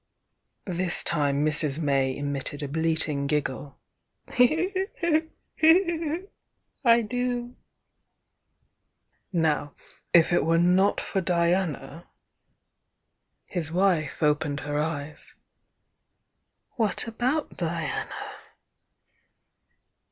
This time Mrs. May emitted a bleating giggle "I do!" "Now if it were not for Diana " His wife opened her eyes. "What about Diana?"